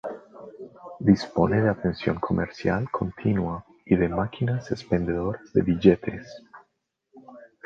Dispone de atención comercial continua y de máquinas expendedoras de billetes.